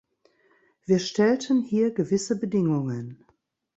Wir stellten hier gewisse Bedingungen.